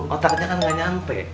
otaknya kan gak nyampe